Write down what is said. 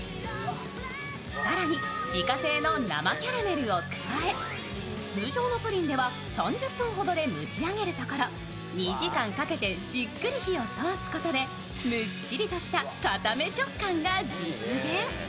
更に自家製の生キャラメルを加え通常のプリンでは３０分ほどで蒸し上がるところ、２時間かけてじっくり火を通すことでむっちりとした固め食感が完成。